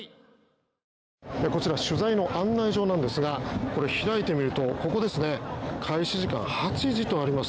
こちら取材の案内状なんですが開いてみると開始時間８時とあります。